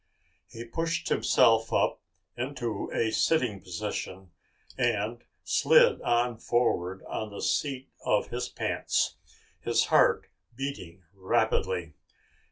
He pushed himself up into a sitting position and slid on forward on the seat of his pants, his heart beating rapidly.